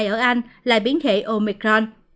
ở anh là biến thể omicron